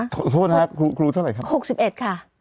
โทษนะครับครูครูเท่าไหร่ครับ๖๑ค่ะ